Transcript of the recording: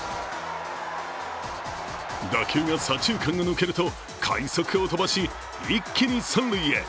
打球が左中間に抜けると快足を飛ばし一気に三塁へ。